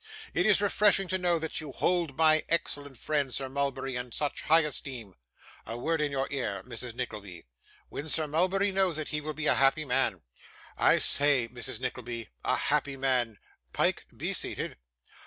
'It is refreshing to know that you hold my excellent friend, Sir Mulberry, in such high esteem. A word in your ear, Mrs. Nickleby. When Sir Mulberry knows it, he will be a happy man I say, Mrs. Nickleby, a happy man. Pyke, be seated.